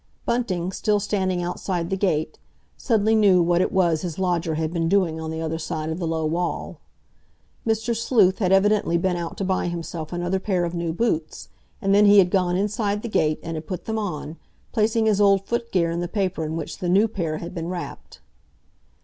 Bunting, still standing outside the gate, suddenly knew what it was his lodger had been doing on the other side of the low wall. Mr. Sleuth had evidently been out to buy himself another pair of new boots, and then he had gone inside the gate and had put them on, placing his old footgear in the paper in which the new pair had been wrapped.